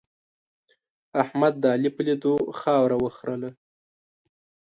احمد د علي په لیدو خاوره وخرله.